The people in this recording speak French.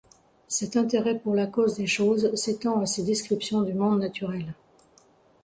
Cet intérêt pour la cause des choses s’étend à ses descriptions du monde naturel.